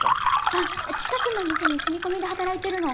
あっ近くの店に住み込みで働いてるの。